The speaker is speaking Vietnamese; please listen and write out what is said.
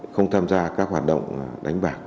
không tham gia các hoạt động đánh bạc